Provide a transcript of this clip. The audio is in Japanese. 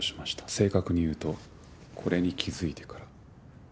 正確に言うとこれに気づいてから。